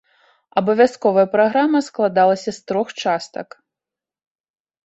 Абавязковая праграма складалася з трох частак.